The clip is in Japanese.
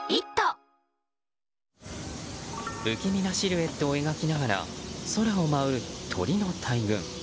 不気味なシルエットを描きながら空を舞う鳥の大群。